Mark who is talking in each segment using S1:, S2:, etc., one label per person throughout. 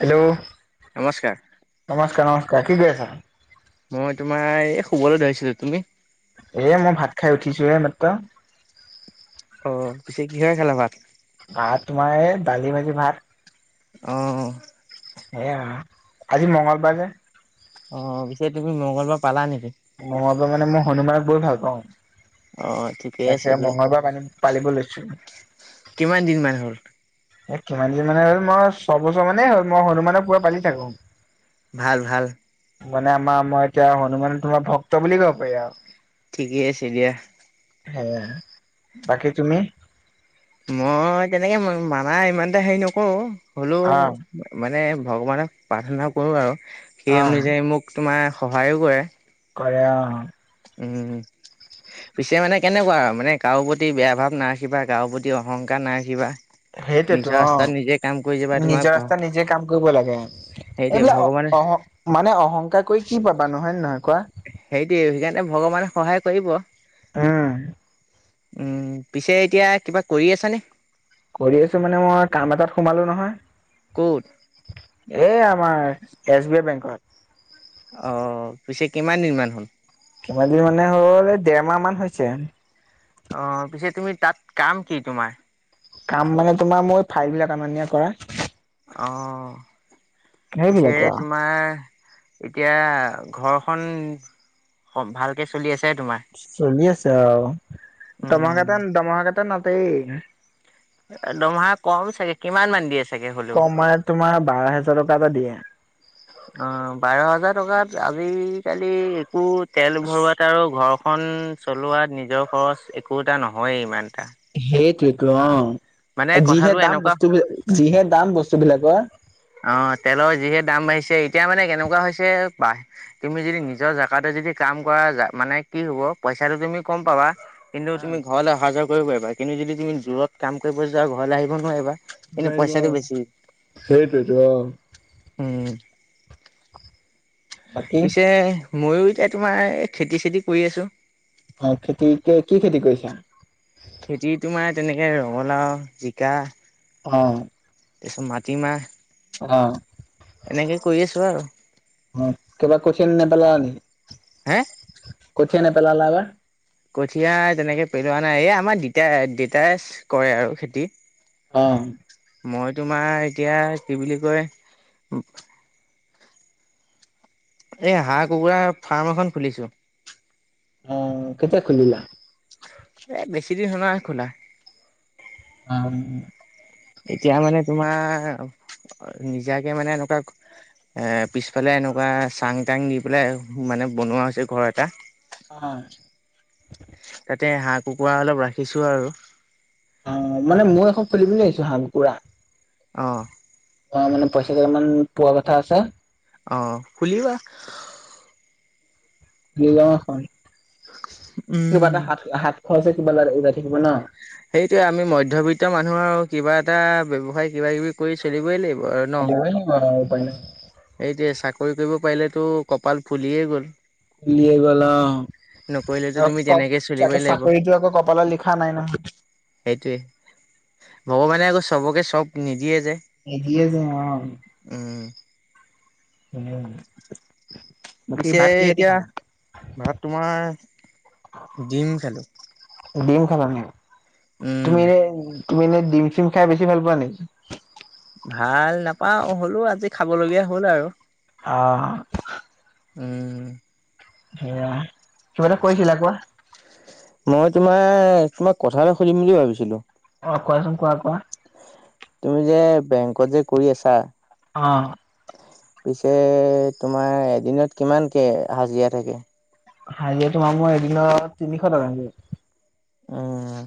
S1: Hello
S2: নমস্কাৰ
S1: নমস্কাৰ নমস্কাৰ কি কৰি আছা?
S2: মই তোমাৰ এই শুবলৈ ধৰিছিলোঁ তুমি?
S1: এ মই ভাত খাই উঠিছোঁ হে মাত্ৰ।
S2: অ পিছে কিহেৰে খালা ভাত?
S1: ভাত তোমাৰ এ দালি ভাজি ভাত।
S2: অ'।
S1: সেয়া আজি মঙলবাৰ যে।
S2: অ পিছে তুমি মংগলবাৰ পালা নেকি?
S1: মই মানে মই হনুমানক বহুত ভাল পাওঁ।
S2: অ ঠিকেই আছে
S1: তাকে
S2: দিয়া।
S1: মঙলবাৰ পানী পালিব লৈছোঁ।
S2: কিমান দিন মান হ'ল?
S1: এ কিমান দিন মানে হ'ল মই ছয়বছৰ মানেই হ'ল মই হনুমানক পোৰা পালি থাকোঁ।
S2: ভাল ভাল।
S1: মানে আমাৰ মই এতিয়া হনুমান তোমাৰ ভক্ত বুলি ক'ব পাৰি আৰু।
S2: ঠিকেই আছে দিয়া।
S1: হেয়াই বাকী তুমি?
S2: মই তেনেকে মানা ইমানতা হেৰি নকৰো হলৌ
S1: অ',
S2: মানে ভগৱানক প্ৰাৰ্থনা কৰোঁ আৰু সেই
S1: অ',
S2: অনুযায়ী মোক তোমাৰ সহায়ো কৰে।
S1: কৰে অ।
S2: উম পিছে মানে কেনেকুৱা আৰু মানে কাৰো প্ৰতি বেয়া ভাৱ নাৰাখিবা কাৰো প্ৰতি অহংকাৰ নাৰাখিবা।
S1: সেইটোৱেইটো
S2: নিজৰ ৰাস্তাত নিজে কাম কৰি যাবা
S1: অ
S2: তোমাক
S1: নিজৰ ৰাস্তাত নিজে কাম কৰিব লাগে।
S2: সেইটোৱে ভগৱানে
S1: এইবিলাক অহ মানে অহংকাৰ কৰি কি পাবা হয় নে নহয় কোৱা?
S2: হেইটোৱেই সেইকাৰণে ভগৱানে সহায় কৰিব।
S1: উম।
S2: উম পিছে এতিয়া কিবা কৰি আছানে?
S1: কৰি আছোঁ মানে মই কাম এটাত সোমালোঁ নহয়।
S2: ক'ত
S1: এ আমাৰ এছ বি আই বেংকত।
S2: অ পিছে কিমান দিনমান হ'ল।
S1: ধেমালি মানে হ'ল ডেৰমাহ মান হৈছে।
S2: অ' পিছে তুমি তাত কাম কি তোমাৰ?
S1: কাম মানে তোমাৰ মোৰ ফাইল বিলাক অনা-নিয়া কৰা।
S2: অঁ, পিছে
S1: সেইবিলাকে আৰু।
S2: তোমাৰ এতিয়া ঘৰখন ভালকৈ চলি আছে তোমাৰ?
S1: চলি আছে আও,
S2: উম
S1: [unintelligible]
S2: দৰমহা কম চাগে, কিমান মান দি আছে?
S1: কম মানে তোমাৰ বাৰ হেজাৰ টকা এটা দিয়ে।
S2: অ', বাৰ-হাজাৰ টকাত আজি-কালি একো তেল ভৰোৱাত আৰু ঘৰখন চলোৱাত নিজৰ খৰচ একো এটা নহয়ে ইমান এটা।
S1: সেইটোয়েতো অ',
S2: মানে
S1: যিহে
S2: কথাটো
S1: দাম
S2: এনেকুৱা
S1: বস্তুবিলাক যিহে দাম বস্তুবিলাকৰ।
S2: অ', তেলৰ যিহে দাম বাঢ়িছে, এতিয়া মানে কেনেকুৱা হৈছে, বাহ তুমি যদি নিজৰ জাগাতে যদি কাম কৰা মানে কি হব পইচাটো তুমি কম পাবা। কিন্তু তুমি ঘৰলৈ অহা-যোৱা কৰিব পাৰিবা, কিন্তু যদি তুমি দূৰত কাম কৰিব যোৱা ঘৰলৈ আহিব নোৱাৰিবা। কিন্তু
S1: নোৱাৰিম
S2: পইচাটো বেছি
S1: অ', সেইটোৱতো অ'।
S2: উম।
S1: [inaudible]
S2: পিছে মইয়ো এতিয়া তোমাৰ খেতি-চেতি কৰি আছোঁ।
S1: অ'খেতি, কি খেতি কৰিছা?
S2: খেতি তোমাৰ তেনেকে-ৰঙালাও, জিকা,
S1: অ'।
S2: তাৰ পিছত মাটি মাহ।
S1: অ'।
S2: এনেকে কৰি আছো আৰু।
S1: অ', কিবা কঠীয়া নাপালা নেকি?
S2: হে?
S1: কঠীয়া নেপেলালা যে?
S2: কঠীয়া তেনেকে পেলোৱা নাই, এই আমাৰ দিতাই দেতাই কৰে আৰু খেতি।
S1: অ'।
S2: মই তোমাৰ এতিয়া কি বুলি কয়? এ, হাঁহ-কুকুৰা ফাৰ্ম এখন খুলিছোঁ।
S1: অ', কেতিয়া খুলিলা?
S2: এ, বেছি দিন [unintelligible] খোলা।
S1: অ'।
S2: এতিয়া মানে তোমাৰ নিজাকে মানে এনেকুৱা এ, পিছফালে এনেকুৱা চাং-টাং দি পেলাই মানে বনোৱা হৈছে ঘৰ এটা।
S1: অঁ।
S2: তাতে হাঁহ-কুকুৰা অলপ ৰাখিছোঁ আৰু।
S1: অ', মানে মইয়ো এখন খুলিম বুলি ভাবিছোঁ, হাঁহ-কুকুৰা
S2: অঁ।
S1: অ', মানে পইচা কেটামান পোৱা কথা আছে।
S2: অ', খুলিবা।
S1: নিলা এখন কিবা
S2: উম
S1: এটা হাত-হাত খৰচে কিবা ওলাই থাকিব ন।
S2: সেইটোৱে, আমি মধ্যবিত্ত মানুহ আৰু কিবা এটা ব্যৱসায় কিবা-কিবি কৰি চলিবই লাগিব আৰু, ন?
S1: হৈ থাকিব আৰু উপাই নাই।
S2: এইটোৱে, চাকৰি কৰিব পাৰিলেতো কপাল ফুলিয়েই গ'ল।
S1: উলিয়ে গ'ল অ'।
S2: নকৰিলেতো তুমি তেনেকে চলিবই
S1: [unintelligible]
S2: লাগিব
S1: চাকৰিটো আকৌ কপালত লিখা নাই নহয়।
S2: সেইটোৱে, ভগৱানে আকৌ চবকে চব নিদিয়ে যে।
S1: নিদিয়ে যে অ'।
S2: উম।
S1: উম। বাকী
S2: পিছে
S1: ভাত কিহেদি
S2: এতিয়া,
S1: খালা?
S2: ভাত তোমাৰ ডিম খালোঁ।
S1: ডিম খালা ন'?
S2: উম।
S1: তুমি নে তুমি এনে ডিম চিম খাই বেছি ভাল পোৱা নেকি?
S2: ভাল নাপাওঁ, হ'লেওঁ আজি খাবলগীয়া হ'ল আৰু।
S1: অ'।
S2: উম।
S1: সেয়া, কিবা এটা কৈছিলা, কোৱা।
S2: মই তোমাৰ, তোমাক কথা এটা সুধিম বুলি ভাবিছিলোঁ।
S1: অ' কোৱাচোন, কোৱা কোৱা।
S2: তুমি যে বেংকত যে কৰি আছা
S1: অ'।
S2: পিছে তোমাৰ এদিনত কিমানকে হাজিৰা থাকে?
S1: হাজিযৰা তোমাক মই এদিনত তিনিশ টকা [unintelligible]
S2: উম।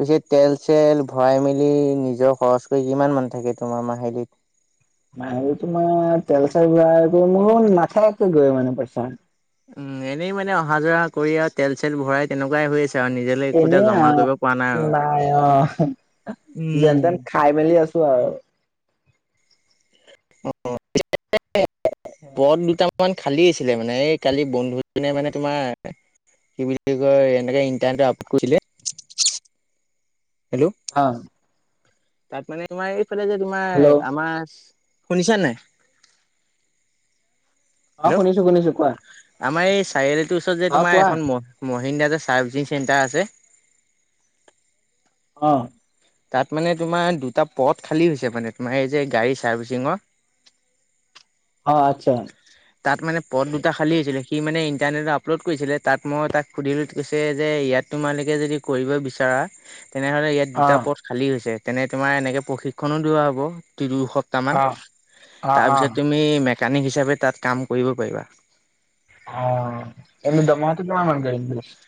S2: পিছে তেল চেল ভৰাই মেলি, নিজৰ খৰচ কৰি কিমান মান থাকে তোমাৰ মাহিলীত?
S1: মাহিলী তোমাৰ তেল চেল ভৰাই মোৰ নাথাকেগৈ পইছা।
S2: উম, এনেই মানে অহা যোৱা কৰি আৰু তেল চেল ভৰাই তেনেকুৱাই হৈ আছে আৰু নিজে
S1: এনেই অ' নাই অ'
S2: উম।
S1: যেনতেন খাই মেলি আছোঁ আৰু।
S2: [unintelligible] পদ দুটা অকমান খালী আছিলে মানে এই কালি বন্ধুজনে মানে তোমাৰ কি বুলি কয়, এনেকে ইণ্টাৰনেট আপলোড কৰিছিলে। হেল্ল'।
S1: অ'।
S2: তাত মানে তোমাৰ এইফালে যে তোমাৰ
S1: হেল্ল'
S2: আমাৰ, শুনিছা নাই?
S1: অ
S2: হেল্ল'।
S1: শুনিছো শুনিছো কোৱা
S2: আমাৰ এই চাৰিআলিটোৰ ওচৰত যে
S1: অ
S2: তোমাৰ
S1: কোৱা
S2: এখন মহ মহিন্দ্ৰা যে চাৰ্ভিচিং চেণ্টাৰ আছে
S1: অ'।
S2: তাত মানে তোমাৰ দুটা পদ খালী হৈছে, মানে তোমাৰ এই যে গাড়ী চাৰ্ভিচিঙৰ।
S1: অ' আচ্ছা।
S2: তাত মানে পদ দুটা খালী হৈছিলে, সি মানে ইণ্টাৰনেটত আপলোড কৰিছিলে, তাত মই তাক সুধিলোঁ সি কৈছে যে ইয়াত তোমালোকে যদি কৰিব বিচাৰা তেনেহ'লে ইয়াত
S1: অ
S2: দুটা পদ খালী হৈছে, তেনে তোমাৰ এনেকৈ প্ৰশিক্ষণো দিয়া হ'ব [unintelligible] তামান,
S1: অ অ অ
S2: তাৰপিছত তুমি মেকানিক হিচাপে তাত কাম কৰিব পাৰিবা।
S1: অ' এনে দৰমহাটো কিমান মান দিম বুলি কৈছে?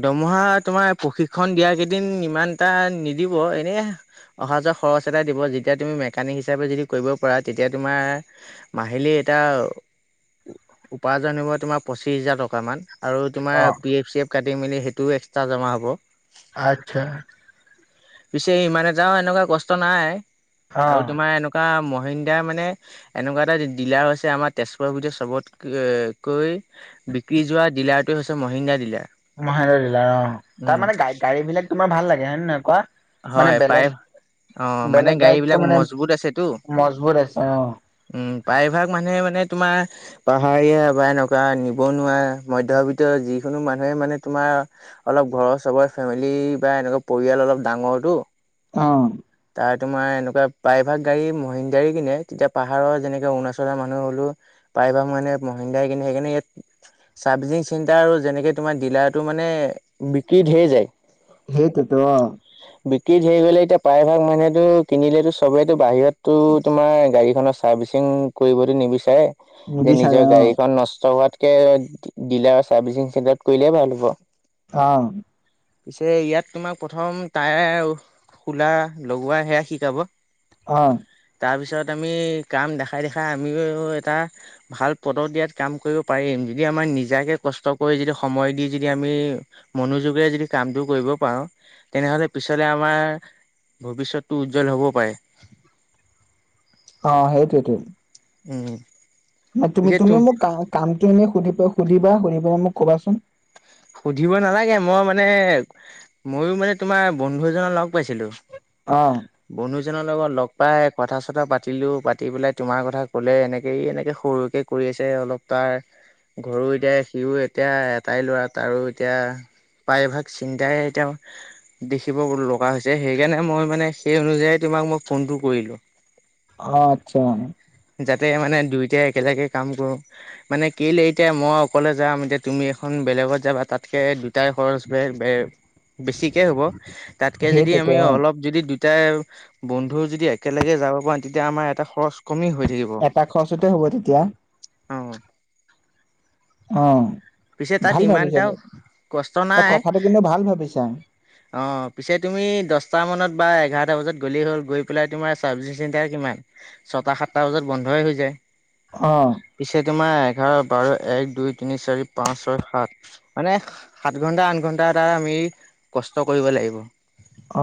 S2: দৰমহা তোমাৰ প্ৰশিক্ষণ দিয়া কেইদিন ইমান এটা নিদিব, এনে অহা যোৱা খৰচ এটা দিব যেতিয়া তুমি মেকানিক হিচাপে যদি কৰিব পাৰা তেতিয়া তোমাৰ মাহিলী এটা উপাৰ্জন হব তোমাৰ পঁচিশ হাজাৰ টকা মান আৰু তোমাৰ
S1: অ
S2: পি এফ চি এফ কাটি মেলি সেইটোও এক্সট্ৰা জমা হ'ব
S1: আচ্ছা
S2: পিছে ইমান এটাও এনেকুৱা কষ্ট নাই
S1: অ
S2: আৰু তোমাৰ এনে কা মহিন্দ্ৰাই মানে এনেকুৱা এটা ডিলাৰ হৈছে আমাৰ তেজপুৰৰ ভিতৰত চবত ক কৈ বিক্ৰী যোৱা ডিলাৰটোৱে হৈছে মহিন্দা ডিলাৰ
S1: মহেন্দ্ৰ দিলাৰ অ তাত
S2: উম,
S1: মানে গা গাড়ী বিলাক তোমাৰ ভাল লাগে হয় নে নহয় কোৱা মানে
S2: হয়
S1: বেলেগ
S2: প্ৰায় অ' মানে
S1: বেলেগ গাড়ীতকো
S2: গাড়ীবিলাক
S1: মানে
S2: মজবুত আছেতো।
S1: মজবুৰ আছে অ
S2: উম প্ৰায়ভাগ মানুহে মানে তোমাৰ পাহাৰীয়া বা এনেকুৱা নিবনুৱা মধ্যবিত্ত যিকোনো মানুহে মানে তোমাৰ অলপ ঘৰৰ চবৰে ফেমিলি বা এনেকুৱা পৰিয়াল অলপ ডাঙৰটো
S1: অ
S2: তাৰ তোমাৰ এনেকুৱা প্ৰায়ভাগ গাড়ী মহিন্দ গাড়ী কিনে তেতিয়া পাহাৰৰ যেনেকে অৰুণাচলৰ মানুহ হ'লো প্ৰায় ভাগ মানুহে মহিন্দাই কিনে সেইকাৰনে ইয়াত চাৰ্ভিচিং চিণ্টাৰো যেনেকে তোমাৰ ডিলাৰটো মানে বিক্ৰী ধেৰ যায়
S1: সেইটোৱেতো
S2: বিক্ৰী ধেৰ গলে এতিয়া প্ৰায়ভাগ মানুহেতো কিনিলেতো চবেইতো বাহিৰততো তোমাৰ গাড়ীখনৰ ছাৰ্ভিচিং কৰিবতো নিবিচাৰে যে
S1: নিবিচাৰে
S2: নিজৰ
S1: অ',
S2: গাড়ীখন নষ্ট হোৱাত কে দিলাৰ চাৰ্ভিচিং চেণ্টাৰত কৰিলে ভাল হ'ব
S1: অ
S2: পিছে ইয়াত তোমাক প্ৰথম টায়াৰ আৰু খোলা লগোৱা সেয়া শিকাব
S1: অ
S2: তাৰপিছত আমি কাম দেখাই দেখাই আমিও এটা ভাল পদত ইয়াত কাম কৰিব পাৰিম যদি আমাৰ নিজাকে কষ্ট কৰি যদি সময় দি যদি আমি মনোযোগেৰে যদি কামটো কৰিব পাও তেনেহলে পিছলে আমাৰ ভৱিষ্যতো উজ্জ্বল হবও পাৰে
S1: অ সেইটোৱে টো
S2: উম
S1: না তুমি
S2: পিছে
S1: তুমি
S2: তুম
S1: মোক কাম কামটো সুধা সুধিবা সুধি পেলাই মোক ক'বাচোন
S2: সুধিবই নালাগে মই মানে মইয়ো মানে তোমাৰ বন্ধু এজনৰ লগ পাইছিলো
S1: অ
S2: বন্ধু জনৰ লগত লগ পাই কথা চথা পাতিলো পাতি পেলাই তোমাৰ কথা কলে এনেকে এই এনেকে সৰুকে কৰি আছে অলপ তাৰ ঘৰৰ এতিয়া সিও এতিয়া এটাই ল'ৰাক তাৰো এতিয়া প্ৰায়ভাগ চিন্তাই তেওঁৰ দেখিব বোলো লগা হৈছে সেইকাৰণে মই মানে সেই অনুযায়ী তোমাক মই ফোনটো কৰিলোঁ [unintelligible]
S1: অ আচ্ছা
S2: যাতে মানে দুইটাই একেলগে কাম কৰো মানে কেইলে এতিয়া মই অকলে যাম এতিয়া তুমি এখন বেলেগত ৰবা তাতকে দুটাই খৰচ বে বে বেছিকে হ'ব তাতকে যদি
S1: সেইটোতো
S2: আমি
S1: অ',
S2: অলপ, যদি দুইটাইও বন্ধুও যদি একেলগে যাব পাৰো তেতিয়া আমাৰ এটা খৰচ। কমি হৈ থাকিব
S1: এটা খৰচতে হ'ব তেতিয়া
S2: অ,
S1: অঁ
S2: পিছে তাত
S1: ভাল
S2: ইমান এটাও
S1: ভাবিচাগৈ
S2: কষ্ট
S1: অ
S2: নাই
S1: কথাটো কিন্তু ভাল ভাবিছা।
S2: অ পিছে তুমি দশটা মানত বা এঘাৰটা বজাত গ'লেই হ'ল গৈ পেলাই তোমাৰ চাৰ্ভিচিং চেণ্টাৰ কিমান। ছইটা সাতটা বজাত বন্ধই হৈ যায়।
S1: অহ,
S2: পিছে তোমাৰ এঘাৰ বাৰ এক দুই তিনি চাৰি পাঁচ ছয় সাত মানে সাত ঘণ্টা আঠ ঘণ্টা এটাৰ আমি কষ্ট কৰিব লাগিব।
S1: অ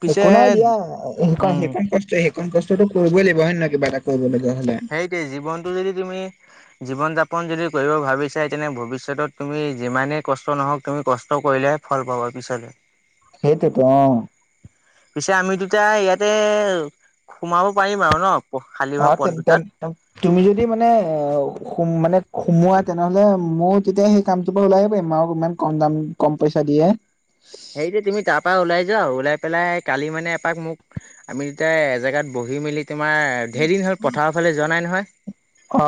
S2: পিছে
S1: একো নাই দিয়া এনেকুৱা
S2: উম
S1: সিখন টেষ্ট, তে সেইকন কষ্টটো কৰিবই লাগিব হয় না নহয় কিবা এটা কৰিবলগিয়া হ'লে।
S2: সেইটোৱে জীৱনটো যদি তুমি। জীৱন যাপন যদি কৰিব ভাবিছাএ তেনে ভৱিষ্যত তুমি যিমানেই কষ্ট নহওক তুমি কষ্ট কৰিলেহে। ফল পাব বিছাৰি।
S1: সেইটো অ,
S2: পিছে আমি দুটাই ইয়াতে সোমাব পাৰিম আৰু ন। খালী
S1: অ
S2: হোৱা পথ
S1: তেন তেন,
S2: দুটাত
S1: তুমি যদি মানে অ মানে সুমোৱা তেনেহলে মইও তেতিয়া সেই, কামটো বাৰু ওলাই আহিব পাৰিম আও ইমান কম দাম কম পইচা দিয়ে।
S2: এইযে তুমি তাৰপৰা ওলাই যোৱা ওলাই পেলাই কালি মানে এপাক মোক। আমি তেতিয়াই এজেগাত বহি মেলি। তোমাৰ ধেৰ দিন হ'ল পথাৰৰ ফালে যোৱা নাই নহয়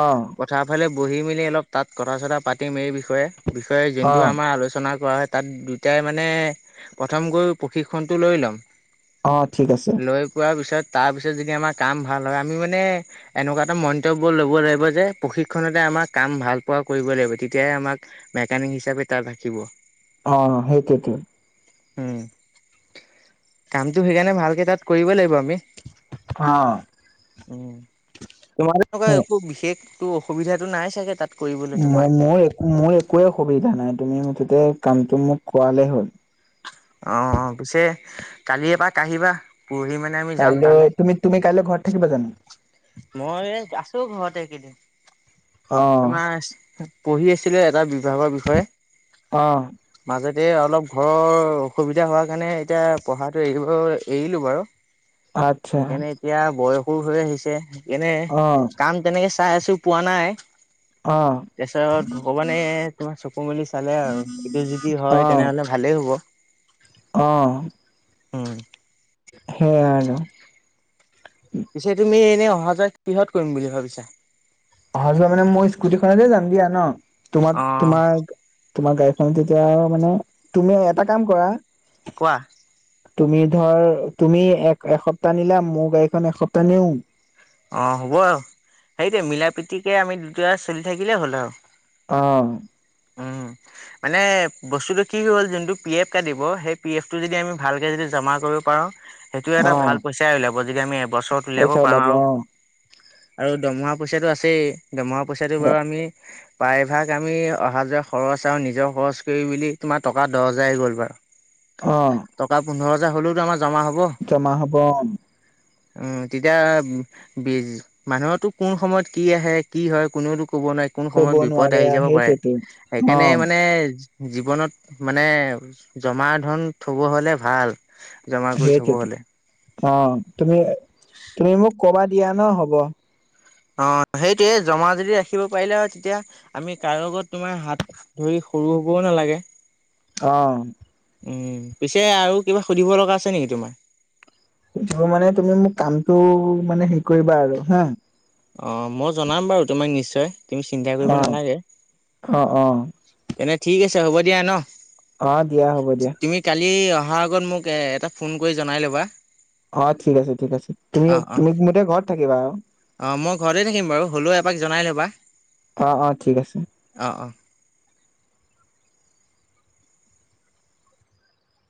S1: অ
S2: প তাৰ ফালে বহি মেলি অলপ তাত কথা চথা পাতিম এই বিষয়ে। বিষয়ে
S1: অ
S2: যোনটো আমাৰ আলোচনা কৰা হয় তাত দুইটাই মানে। প্ৰথম গৈ প্ৰশিক্ষনটো লৈ ল'ম,
S1: অ ঠিক আছে।
S2: শুৱাৰ পিছত তাৰপিছত যদি আমাৰ কাম ভাল হয় আমি মানে। এনেকুৱা এটা মন্তব্য ল'ব লাগিব যে প্ৰশিক্ষণতে আমাক কাম ভাল পোৱা কৰিবই লাগিব তেতিয়াহে আমাক। মেকানিক হিচাপে তাত ৰাখিব।
S1: অ সেইটোৱেতো।
S2: উম কামটো সেইকাৰনে ভালকে তাত কৰিবই লাগিব আমি।
S1: অ
S2: উ তোমাৰ এনেকুৱা একো বিশেষ। তো অসুবিধাটো নাই চাগে তাত। কৰিবলৈ
S1: ম
S2: তোমাৰ
S1: মোৰ মোৰ একোৱে সুবিধা নাই তুমি মুঠতে কামটো মোক কোৱালে হ'ল।
S2: অ অ পিছে কালি এপাক আহিবা পৰহিলৈ মাতিম,
S1: কাইলৈ তুমি তুমি কাইলৈ ঘৰত থাকিবা জানো।
S2: মই আছো ঘৰতে এই কেইদিন।
S1: অ
S2: তোমাৰ পঢ়ি আছিলে এটা বিভাগৰ বিষয়ে।
S1: অ,
S2: মাজতে অলপ ঘৰৰ অসুবিধা হোৱা কাৰণে এতিয়া পঢ়াটো এৰিব এৰিলোঁ বাৰু
S1: আচ্ছা
S2: সেইকাৰণে এতিয়া বয়সো হৈ আহিছে সেইকাৰণে
S1: অ
S2: কাম কেনেকে, চাই আছোঁ পোৱা নাই।
S1: অ
S2: তাৰপিছত ভগৱানে তোমাৰ চকু মেলি চালে আৰু এইটো যদি হয় তেনেহলে ভালেই হ'ব।
S1: অঁ
S2: হুম।
S1: সেইয়াই আৰু।
S2: পিছে তুমি এনেই অহা যোৱা কিহত কৰিম বুলি ভাবিছা?
S1: অহা যোৱা মানে মই স্কুটিখনতে যাম দিয়া ন,
S2: অ
S1: তোমাৰ-তোমাৰ- তোমাৰ গাড়ীখন তেতিয়া মানে তুমি এটা কাম কৰা-
S2: কোৱা?
S1: তুমি ধৰ তুমি এক এসপ্তাহ নিলা, মোৰ গাড়ীখন এসপ্তাহ নিও-
S2: অঁ হ'ব আৰু সেইটোৱেই মিলা প্ৰীতিকৈ আমি দুটা চলি থাকিলেই হ'ল আৰু।
S1: অঁ।
S2: উম। মানে বস্তুটো কি হ'ল যোনটো পি এফ কাটিব সেই পি এফ টো যদি আমি ভালকে যদি জমা কৰিব- পাৰো সেইটো
S1: অ
S2: এটা ভাল পইচাই ওলাব যদি আমি এবছৰত- উলিয়াব
S1: পইচা
S2: পাৰোঁ
S1: ওলাব
S2: আৰু
S1: অঁ।
S2: আৰু দৰমহা পইচাটো আছেই, দৰমহা পইচাটো বাৰু আমি- প্ৰায়ভাগ আমি অহা যোৱা খৰচ আৰু নিজৰ খৰচ কৰি মেলি তোমাৰ টকা দহ হাজাৰ গ'ল বাৰু। [unintelligible]
S1: অঁ।
S2: টকা পোন্ধৰ হাজাৰ হ'লেও আমাৰ জমা হ'ব।
S1: জমা হ'ব অঁ'।
S2: উম তেতিয়া- বিজ, মানুহতো কোন সময়ত কি আহে কি হয় কোনেওতো ক'ব নোৱাৰি- কোন
S1: কব
S2: সময়ত বিপদ
S1: নোৱাৰে
S2: আহি যাব পাৰে।
S1: সেইটোৱেতো অ
S2: সেইকাৰণে মানে- জীৱনত মানে জমা ধন থ'ব হ'লে ভাল। জমা কৰি থব
S1: সেইটোৱেইটো,
S2: হলে।
S1: অ' তুমি-তুমি মোক কবা দিয়া ন হ'ব।
S2: অঁ সেইটোৱে, জমা যদি ৰাখিব পাৰিলা হয় তেতিয়া আমি কাৰো আগত তোমাৰ হাত- ধৰি সৰু হ'বও নালাগে।
S1: অঁ।
S2: উম, পিছে আৰু কিবা সুধিব লগা আছে নেকি তোমাৰ?
S1: সুধিব মানে তুমি মোক কামটো মানে হেৰি কৰিবা আৰু হা।
S2: অঁ, মই জনাম বাৰু তোমাক নিশ্চয়, তুমি চিন্তা
S1: অ
S2: কৰিব নালাগে।
S1: অ অ
S2: তেনে ঠিক আছে হ'ব দিয়া ন।
S1: অঁ, দিয়া হ'ব দিয়া।
S2: তুমি কালি অহাৰ আগত মোক এটা ফোন কৰি জনাই ল'বা।
S1: অঁ ঠিক আছে ঠিক আছে, তুমি তুমি মোতে ঘৰত থাকিবা আৰু।
S2: অঁ, মই ঘৰতেই থাকিম বাৰু হ'লেও এপাক জনাই ল'বা।
S1: অহ- অহ' ঠিক আছে।
S2: অঁ অঁ।